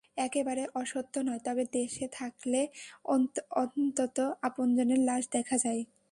একেবারে অসত্য নয়, তবে দেশে থাকলে অন্তত আপনজনের লাশ দেখা যায়।